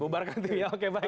bubarkan itu ya oke baik